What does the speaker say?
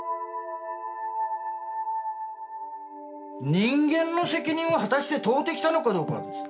人間の責任を果たして問うてきたのかどうかですよ。